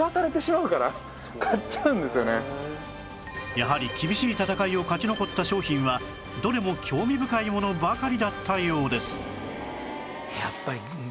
やはり厳しい戦いを勝ち残った商品はどれも興味深いものばかりだったようです